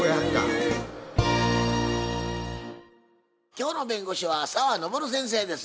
今日の弁護士は澤登先生です。